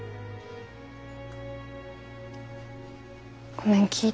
ごめん聞いた。